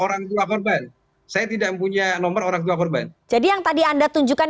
orang tua korban saya tidak punya nomor orang tua korban jadi yang tadi anda tunjukkan